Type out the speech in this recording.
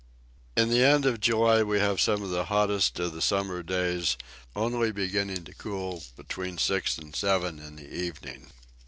] In the end of July we have some of the hottest of the summer days, only beginning to cool between six and seven in the evening.